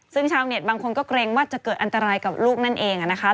ซึ่งชาวเน็ตบางคนก็เกรงว่าจะเกิดอันตรายกับลูกนั่นเองนะคะ